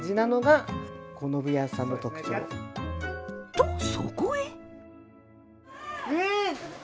とそこへ。